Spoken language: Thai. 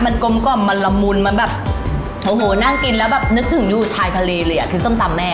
มันกลมกล่อมมันละมุนมันแบบโอ้โหนั่งกินแล้วแบบนึกถึงอยู่ชายทะเลเลยอ่ะคือส้มตำแม่